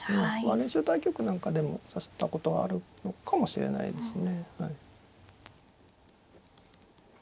練習対局なんかでも指したことがあるのかもしれないですね。